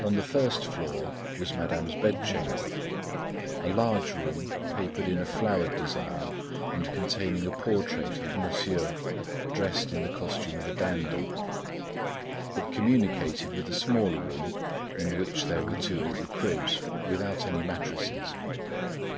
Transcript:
On the first floor was Madame's bedchamber, a large room papered in a flowered design and containing the portrait of Monsieur dressed in the costume of a dandy. It communicated with a smaller room, in which there were two little cribs, without any mattresses.